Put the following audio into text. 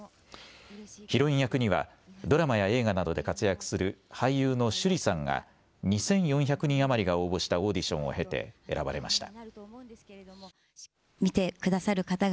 ヒロイン役にはドラマや映画などで活躍する俳優の趣里さんが２４００人余りが応募したオーディションを経て選ばれました。